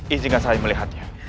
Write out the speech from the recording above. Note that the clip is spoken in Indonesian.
izinkan saya melihatnya